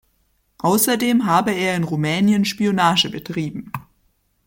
Außerdem habe er in Rumänien Spionage betrieben.